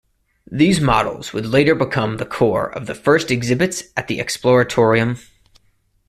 These models would later become the core of the first exhibits at the Exploratorium.